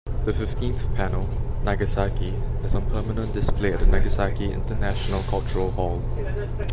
The fifteenth panel, "Nagasaki", is on permanent display at the Nagasaki International Cultural Hall.